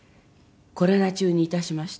コロナ中にいたしました。